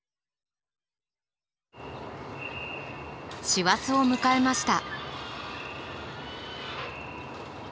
師走を迎えました。